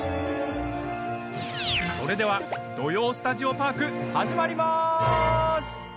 それでは「土曜スタジオパーク」始まりまーす！